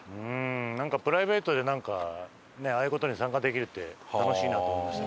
なんかプライベートでああいう事に参加できるって楽しいなと思いました。